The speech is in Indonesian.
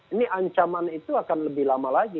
ini ancaman itu akan lebih lama lagi